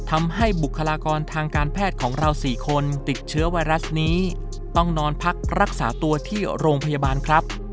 บุคลากรทางการแพทย์ของเรา๔คนติดเชื้อไวรัสนี้ต้องนอนพักรักษาตัวที่โรงพยาบาลครับ